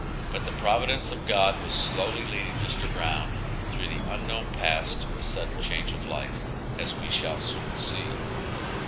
But the providence of God was slowly leading Mr. Brown through the unknown paths to a sudden change of life, as we shall soon see.